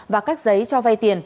và các giấy cho vay tiền